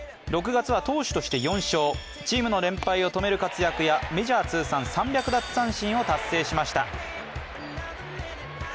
６月は投手として４勝、チームの連敗を止める活躍やメジャー通算３００奪三振を達成しました。